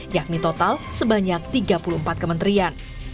yakni total sebanyak tiga puluh empat kementerian